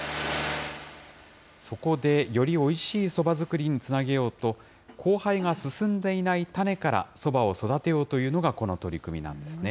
そこでよりおいしいそば作りにつなげようと、交配が進んでいない種からそばを育てようというのがこの取り組みなんですね。